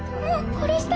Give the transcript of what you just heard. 殺した。